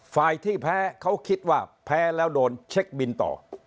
ฝ่ายที่แพ้เขาคิดว่าแพ้แล้วโดนเช็คบินต่อ